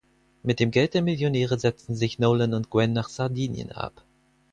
Mit dem Geld der Millionäre setzen sich Nolan und Gwen nach Sardinien ab.